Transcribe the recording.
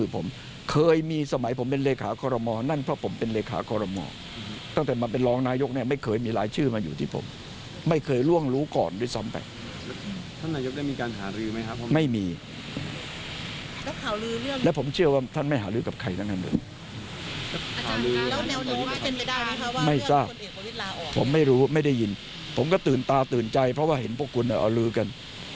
ผมก็ตื่นตาตื่นใจเพราะว่าเห็นพวกคุณเอาลื้อกัน